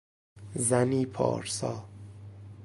زنی پارسا